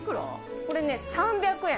これね、３００円。